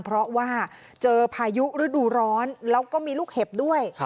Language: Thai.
เพราะว่าเจอพายุฤดูร้อนแล้วก็มีลูกเห็บด้วย